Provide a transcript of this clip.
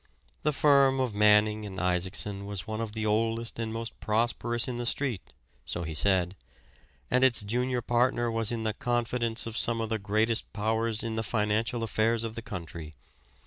The firm of Manning & Isaacson was one of the oldest and most prosperous in the street, so he said; and its junior partner was in the confidence of some of the greatest powers in the financial affairs of the country.